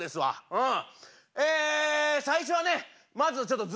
うん。